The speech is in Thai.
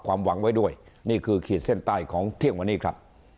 ความหวังไว้ด้วยนี่คือขีดเส้นใต้ของเที่ยงวันนี้ครับ